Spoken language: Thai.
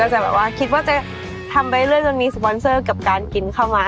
จะแบบว่าคิดว่าจะทำไปเรื่อยจนมีสปอนเซอร์กับการกินเข้ามา